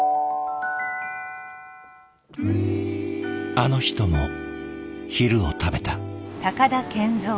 あの人も昼を食べた。